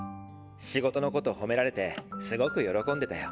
仕事のこと褒められてすごく喜んでたよ。